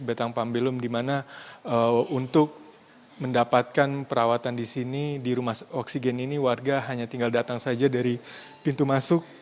betang pambelum di mana untuk mendapatkan perawatan di sini di rumah oksigen ini warga hanya tinggal datang saja dari pintu masuk